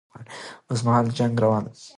اوس مهال جنګ روان ده